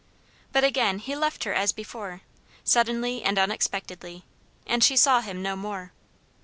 But again he left her as before suddenly and unexpectedly, and she saw him no more.